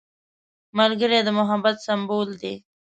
ملګری د محبت سمبول دی